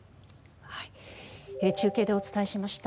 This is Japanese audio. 中継でお伝えしました。